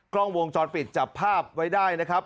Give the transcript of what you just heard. กล้องวงจรปิดจับภาพไว้ได้นะครับ